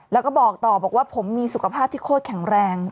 แล้วก็บอกต่อบอกว่าผมมีสุขภาพที่โคตรแข็งแรง